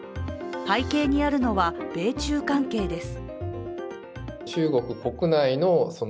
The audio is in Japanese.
背景にあるのは米中関係です。